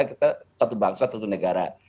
kita satu bangsa satu negara